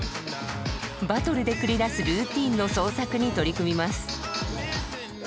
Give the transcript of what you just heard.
バトルで繰り出すルーティーンの創作に取り組みます。